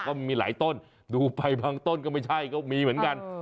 ก็มีหลายต้นดูไปบางต้นก็ไม่ใช่ก็มีเหมือนกัน